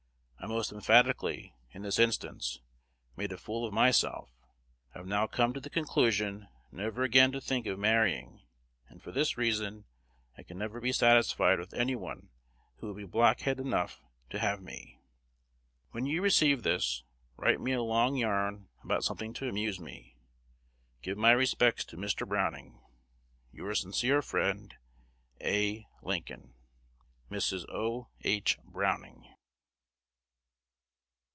I most emphatically, in this instance, made a fool of myself. I have now come to the conclusion never again to think of marrying, and for this reason: I can never be satisfied with any one who would be blockhead enough to have me. When you receive this, write me a long yarn about something to amuse me. Give my respects to Mr. Browning. Your sincere friend, A. Lincoln, Mrs. O. H. Browning.